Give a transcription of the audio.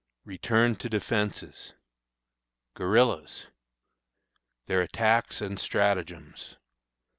Return to Defences. Guerillas. Their Attacks and Stratagems.